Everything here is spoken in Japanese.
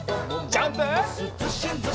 ジャンプ！